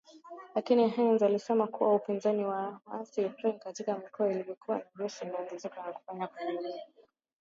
Lakini Haines alisema kuwa upinzani wa waasi wa Ukraine katika mikoa inayokaliwa na Urusi unaongezeka na hivyo kufanya iwe vigumu kwa Urusi